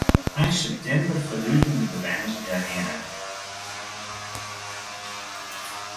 Ein septimber ferhuzen de bewenners dêrhinne.